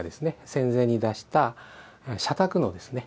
戦前に出した社宅のですね